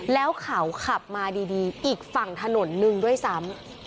แล้วเขาขับมาดีอีกฝั่งถนนหนึ่งด้วยซ้ำ